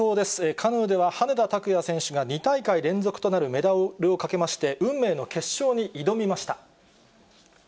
カヌーでは、羽根田卓也選手が２大会連続となるメダルを懸けまして、運命の決勝に挑みました。